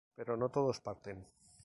Pero no todos parten.